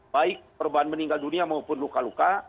baik korban meninggal dunia maupun luka luka